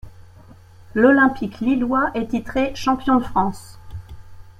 L'Olympique lillois est titré champion de France.